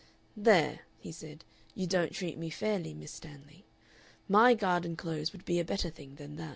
"There," he said, "you don't treat me fairly, Miss Stanley. My garden close would be a better thing than that."